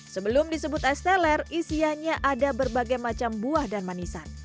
sebelum disebut es teler isiannya ada berbagai macam buah dan manisan